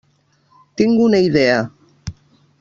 Tinc una idea.